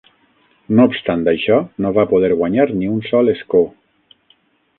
No obstant això, no va poder guanyar ni un sol escó.